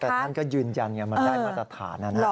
แต่ท่านก็ยืนยันอย่างงี้มาได้มาตรฐานนะ